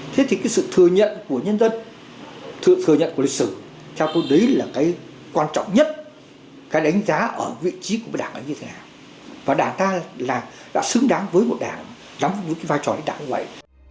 thế thì cái sự thừa nhận của nhân dân sự thừa nhận của lịch sử theo tôi đấy là cái quan trọng nhất cái đánh giá ở vị trí của đảng là như thế nào và đảng ta là đã xứng đáng với một đảng đóng với cái vai trò lãnh đạo như vậy